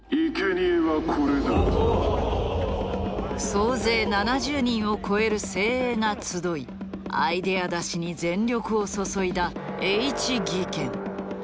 総勢７０人を超える精鋭が集いアイデア出しに全力を注いだＨ技研。